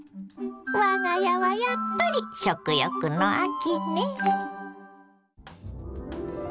我が家はやっぱり食欲の秋ね。